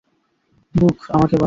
ব্যুক, আমাকে বাঁচাও!